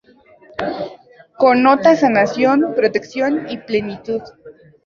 Connota sanación, protección y plenitud.